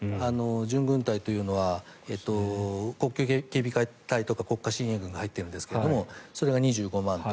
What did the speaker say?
準軍隊というのは国境警備隊とか国家親衛軍が入ってるんですがそれが２５万と。